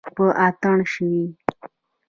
په اتڼ شوي